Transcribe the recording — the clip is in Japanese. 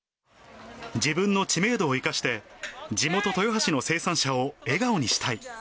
自分の知名度を生かして、地元、豊橋の生産者を笑顔にしたい。